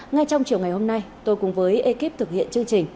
ngay trong chiều ngày hôm nay tôi cùng với ekip thực hiện chương trình